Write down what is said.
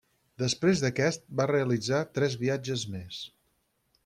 Després d'aquest, va realitzar tres viatges més.